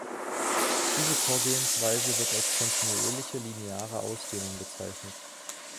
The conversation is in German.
Diese Vorgehensweise wird als kontinuierliche lineare Ausdehnung bezeichnet.